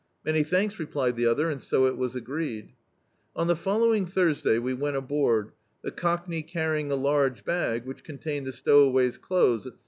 "Many thanks," replied the other, and so it was agreed. On the following Thursday we went abcard, the Cockney carrying a large bag which contained the stowaway's clothes, etc.